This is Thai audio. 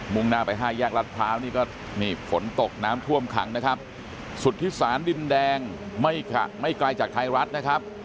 มุงนาตร์ไป๕ยแลกรัฐพลาวนี่ก็ฝนตกน้ำท่วมขังนะครับสุทธิสารดินแดงไม่กล้ายจากไทรัฐนะครับ